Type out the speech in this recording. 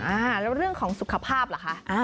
อ่าแล้วเรื่องของสุขภาพล่ะคะ